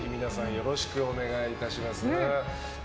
よろしくお願いします。